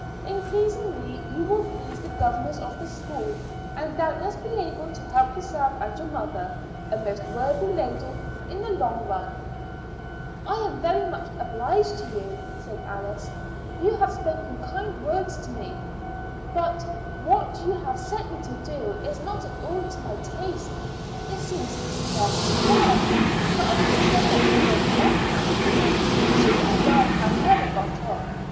In pleasing me you will please the governors of the school, and doubtless be able to help yourself and your mother, a most worthy lady, in the long run." "I am very much obliged to you," said Alice. "You have spoken kind words to me; but what you have set me to do is not at all to my taste. It seems scarcely fair, for I must say that I don't like Kathleen. She and I have never got on.